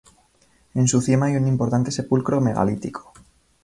En su cima hay un importante sepulcro megalítico.